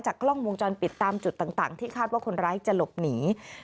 กล้องวงจรปิดตามจุดต่างที่คาดว่าคนร้ายจะหลบหนี